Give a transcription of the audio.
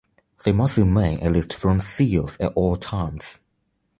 They must remain at least from seals at all times.